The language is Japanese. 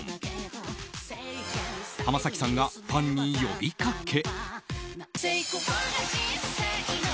浜崎さんがファンに呼びかけ。